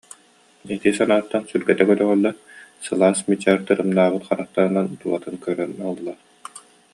Ити санааттан сүргэтэ көтөҕүллэн сылаас мичээр тырымнаабыт харахтарынан тулатын көрөн ылла